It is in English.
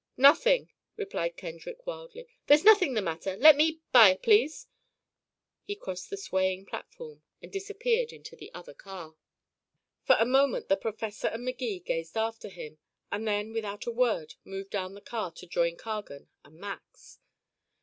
"Nothing," replied Kendrick wildly. "There's nothing the matter. Let me by please." He crossed the swaying platform and disappeared into the other car. For a moment the professor and Magee gazed after him, and then without a word moved down the car to join Cargan and Max.